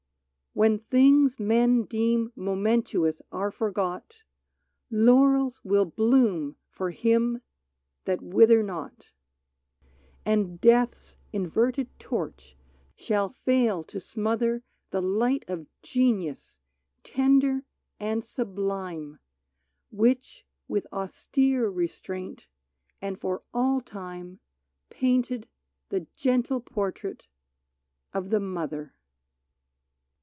When things men deem momentous are forgot. Laurels will bloom for him that wither not ; 68 JAMES MCNEILL WHISTLER And Death's inverted torch shall fail to smother The light of genius, tender and sublime, Which with austere restraint, and for all time, Painted the gentle portrait of the " Mother